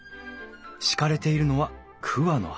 敷かれているのは桑の葉。